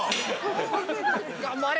◆頑張れ！